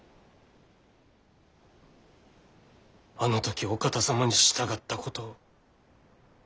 あの時お方様に従ったことを。